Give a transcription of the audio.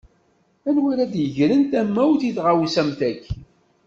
D anwa ara ad yegren tamawt i tɣawsa am taki.